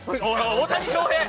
大谷翔平！